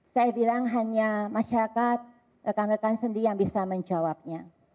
saya bilang hanya masyarakat rekan rekan sendiri yang bisa menjawabnya